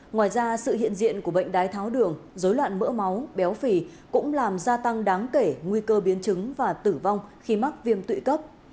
ngoài ra sự hiện diện của bệnh đái tháo đường dối loạn mỡ máu béo phì cũng làm gia tăng đáng kể nguy cơ biến chứng và tử vong khi mắc viêm tụy cấp